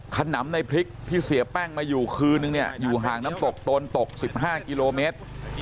ขนำในพริกที่เสียแป้งมาอยู่คืนนึงเนี่ยอยู่ห่างน้ำตกตนตก๑๕กิโลเมตร